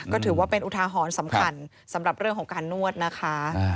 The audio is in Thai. ก็ถือว่าเป็นอุทาหรณ์สำคัญสำหรับเรื่องของการนวดนะคะ